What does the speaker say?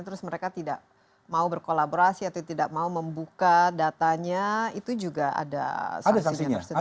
terus mereka tidak mau berkolaborasi atau tidak mau membuka datanya itu juga ada sanksinya tersedia